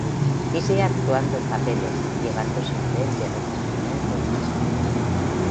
Y sigue actuando en papeles, llevando su nivel de reconocimiento más arriba.